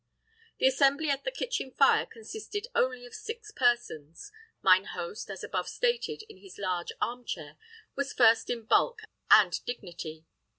The assembly at the kitchen fire consisted only of six persons. Mine host, as above stated, in his large arm chair, was first in bulk and dignity.